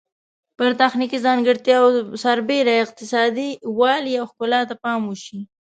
پر تخنیکي ځانګړتیاوو سربیره اقتصادي والی او ښکلا ته پام وشي.